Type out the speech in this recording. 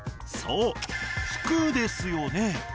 そう「服」ですよね。